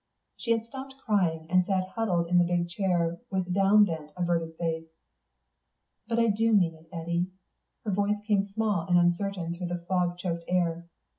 She had stopped crying, and sat huddled in the big chair, with downbent, averted face. "But I do mean it, Eddy." Her voice came small and uncertain through the fog choked air.